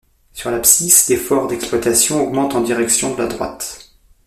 Sur l’abscisse, l’effort d’exploitation augmente en direction de la droite.